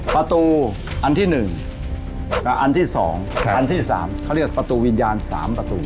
ประตูอันที่หนึ่งอันที่สองอันที่สามเขาเรียกว่าประตูวิญญาณสามประตู